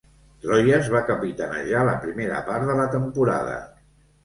Troyes va capitanejar la primera part de la temporada.